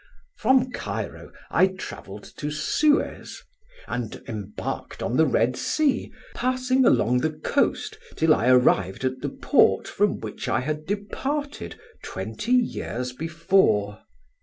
"From Cairo I travelled to Suez, and embarked on the Red Sea, passing along the coast till I arrived at the port from which I had departed twenty years before.